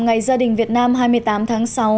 ngày gia đình việt nam hai mươi tám tháng sáu